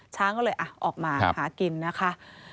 ช้างก็เลยออกมาหากินนะคะ